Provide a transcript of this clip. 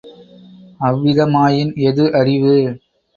அவ்விதமாயின், எது அறிவு?